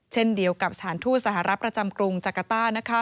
เช่นเดียวกับสถานทูตสหรัฐประจำกรุงจักรต้า